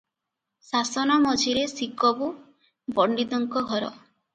ଶାସନ ମଝିରେ ଶିକବୁ ପଣ୍ତିତଙ୍କ ଘର ।